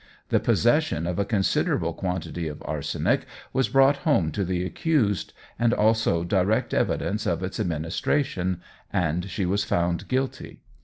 The possession of a considerable quantity of arsenic was brought home to the accused, and also direct evidence of its administration, and she was found guilty.